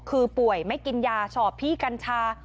คือป่วยไม่กินยาชอบพี่กัญชา